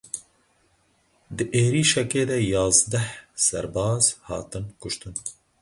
Di êrişekê de yazdeh serbaz hatin kuştin.